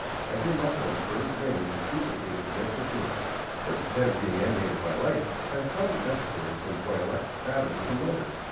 Every muscle of a bird's wings is duplicated in this machine. But instead of being animated by life, I have found it necessary to employ electric batteries and motors.